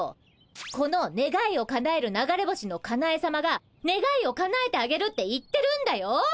このねがいをかなえる流れ星のかなえさまがねがいをかなえてあげるって言ってるんだよ？